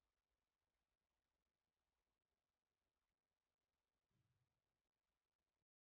প্রথম প্রজন্মের প্রযুক্তি, যা ইতিমধ্যে পরিপক্ব এবং অর্থনৈতিকভাবে প্রতিযোগিতামূলক।